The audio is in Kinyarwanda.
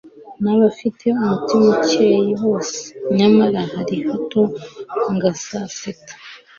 n'abafite umutima ukeye bose.nyamara hari hato ngasitara